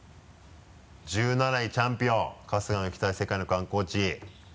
１７位チャンピオン春日の行きたい世界の観光地。